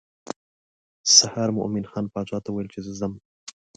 سهار مومن خان باچا ته وویل چې زه ځم.